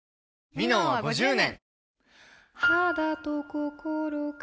「ミノン」は５０年！